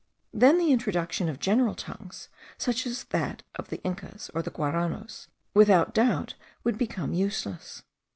Then the introduction of general tongues, such as that of the Incas, or the Guaranos, without doubt would become useless.